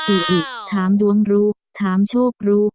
อิอิถามดวงรู้ถามโชครู้